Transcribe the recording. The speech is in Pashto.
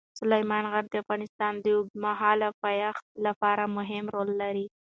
سلیمان غر د افغانستان د اوږدمهاله پایښت لپاره مهم رول لري.